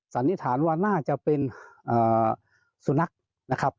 สันนิษฐานว่าน่าจะเป็นสุนัขนะครับ